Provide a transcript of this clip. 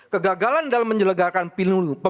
kegagalan dalam menyelenggarakan pemilu yang didataskan